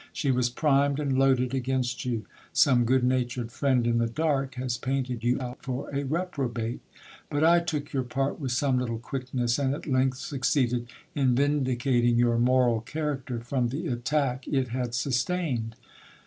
She was primed and loaded against you. Some good natured friend in the dark has painted you out for a reprobate ; but I took your part with some little quickness, and at length succeeded in vindicating your moral character from the attack it had sustained.